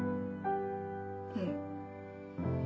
うん。